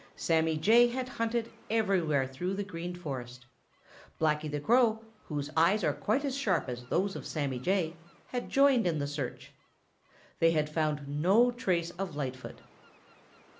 Sammy Jay had hunted everywhere through the Green Forest. Blacky the Crow, whose eyes are quite as sharp as those of Sammy Jay, had joined in the search. They had found no trace of Lightfoot.